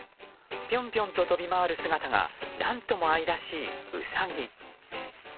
ぴょんぴょんと跳び回る姿が何とも愛らしいウサギ。